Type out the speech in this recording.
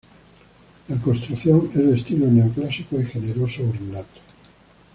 La construcción es de estilo neoclásico y generoso ornato.